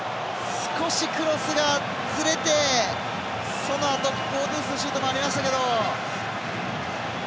少しクロスがずれてそのあとゴドゥースのシュートもありましたけど。